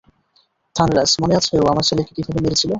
থানরাজ, মনে আছে ও আমার ছেলেকে কীভাবে মেরেছিল?